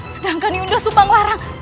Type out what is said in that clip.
sedangkan iunda supang larang